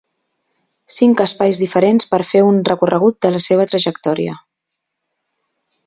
Cinc espais diferents per a fer un recorregut de la seua trajectòria.